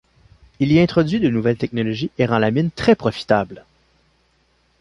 Il y introduit de nouvelles technologies et rend la mine très profitable.